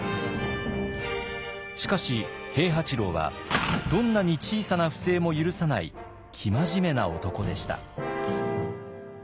しかし平八郎はどんなに小さな不正も許さない生真面目な男でした。